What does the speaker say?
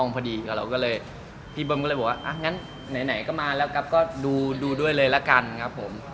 พี่บำก็เลยบอกว่าอ่ะงั้นไหนก็มาแล้วกับก็ดูด้วยเลยละกันครับผม